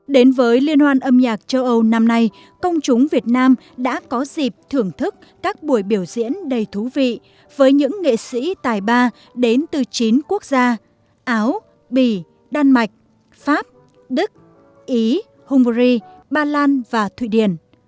đến với liên hoan âm nhạc châu âu năm nay công chúng việt nam đã có dịp thưởng thức các buổi biểu diễn đầy thú vị với những nghệ sĩ tài ba đến từ chín quốc gia áo bỉ đan mạch pháp đức ý hungary ba lan và thụy điển